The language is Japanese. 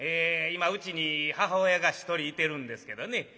今うちに母親が１人いてるんですけどね。